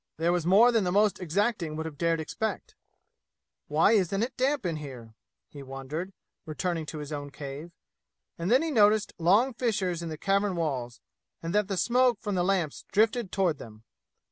There was more than the most exacting would have dared expect. "Why isn't it damp in here?" he wondered, returning to his own cave. And then he noticed long fissures in the cavern walls, and that the smoke from the lamps drifted toward them.